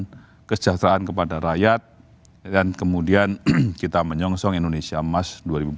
kemudian kesejahteraan kepada rakyat dan kemudian kita menyongsong indonesia emas dua ribu empat puluh